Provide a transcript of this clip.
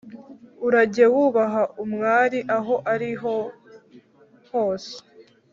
urajye wubaha umwari aho ari hose